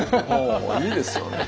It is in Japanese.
いいですよね。